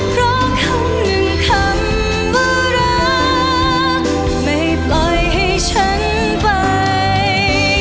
เพราะคำหนึ่งคำว่ารักไม่ปล่อยให้ฉันไป